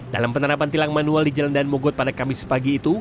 dalam penerapan tilang manual di jalan dan mogot pada kamis pagi itu